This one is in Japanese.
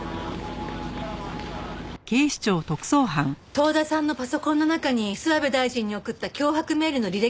遠田さんのパソコンの中に諏訪部大臣に送った脅迫メールの履歴があった。